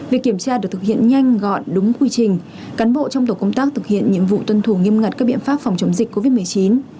việc kiểm tra được thực hiện nhanh gọn đúng quy trình cán bộ trong tổ công tác thực hiện nhiệm vụ tuân thủ nghiêm ngặt các biện pháp phòng chống dịch covid một mươi chín